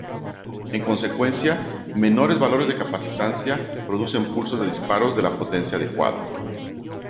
En consecuencia menores valores de capacitancia producen pulsos de disparos de la potencia adecuada.